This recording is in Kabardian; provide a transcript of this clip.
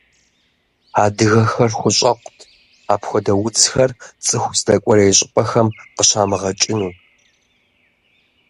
Адыгэхэр хущӏэкъут апхуэдэ удзхэр цӏыху здэкӏуэрей щӏыпӏэхэм къыщамыгъэкӏыну.